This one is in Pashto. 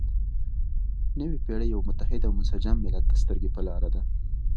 نوې پېړۍ یو متحد او منسجم ملت ته سترګې په لاره ده.